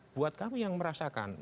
buat kami yang merasakan